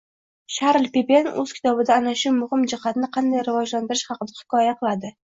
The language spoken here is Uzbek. Sharl Pepen o‘z kitobida ana shu muhim jihatni qanday rivojlantirish haqida hikoya qiladi